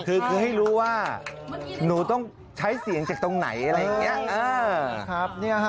คือให้รู้ว่าหนูต้องใช้เสียงจากตรงไหนอะไรอย่างนี้